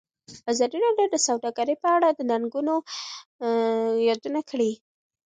ازادي راډیو د سوداګري په اړه د ننګونو یادونه کړې.